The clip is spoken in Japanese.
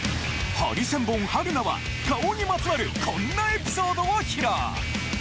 ハリセンボン・春菜は顔にまつわるこんなエピソードを披露。